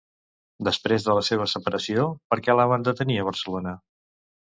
Després de la seva separació, per què la van detenir a Barcelona?